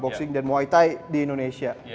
boxing dan muay thai di indonesia